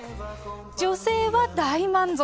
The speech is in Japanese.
女性は大満足。